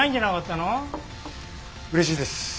うれしいです。